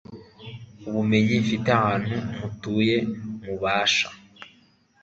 ubumenyi mfite ahantu mutuye mubasha